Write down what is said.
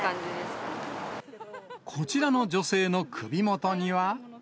こちらの女性の首元には。